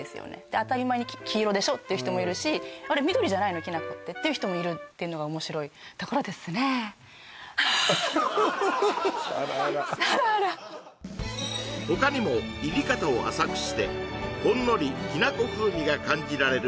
当たり前に黄色でしょっていう人もいるしあれ緑じゃないのきな粉ってっていう人もいるあらあらあらあら他にも煎り方を浅くしてほんのりきな粉風味が感じられる